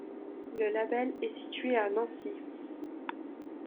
Le label est situé à Nancy.